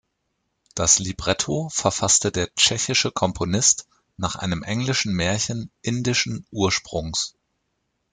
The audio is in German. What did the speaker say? Das Libretto verfasste der tschechische Komponist nach einem englischen Märchen indischen Ursprungs.